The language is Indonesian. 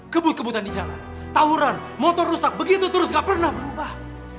kebut kebutan di jalan tawuran motor rusak begitu terus gak pernah berubah